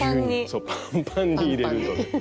そうパンパンに入れるという。